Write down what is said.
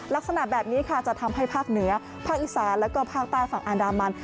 ลักษณะแบบนี้ค่ะจะทำให้ภาคเหนือภาคอีสานแล้วก็ภาคใต้ฝั่งอันดามัน